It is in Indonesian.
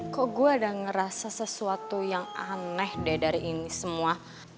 kok gue ada ngerasa sesuatu yang aneh deh dari ini semua